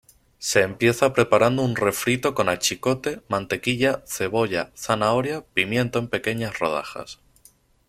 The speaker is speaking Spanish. Se empieza preparando un refrito con achiote, mantequilla, cebolla, zanahoria, pimiento en pequeñas rodajas.